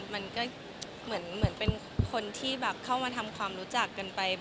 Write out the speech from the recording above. มันก็มีบ้างแต่ว่ามันเป็นคนที่เข้ามาทำความรู้จักกันไป